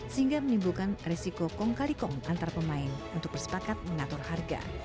sehingga menimbulkan resiko kong kali kong antar pemain untuk bersepakat mengatur harga